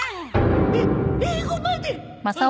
え英語まで！